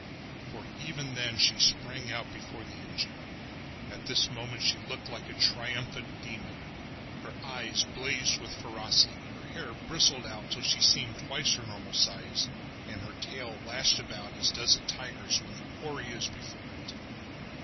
for even then she sprang out before the engine. At this moment she looked like a triumphant demon. Her eyes blazed with ferocity, her hair bristled out till she seemed twice her normal size, and her tail lashed about as does a tiger's when the quarry is before it.